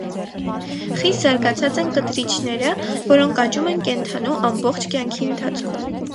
Խիստ զարգացած են կտրիչները, որոնք աճում են կենդանու ամբողջ կյանքի ընթացքում։